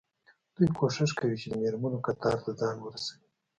دوی کوښښ کوي چې د مېرمنو کتار ته ځان ورسوي.